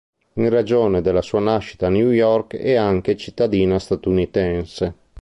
In ragione della sua nascita a New York è anche cittadina statunitense.